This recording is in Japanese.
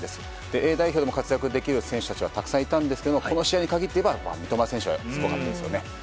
Ａ代表でも活躍できる選手たちはたくさんいたんですけどこの試合に限っていえば三笘選手はすごかったですよね。